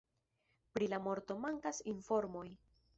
Pri la morto mankas informoj.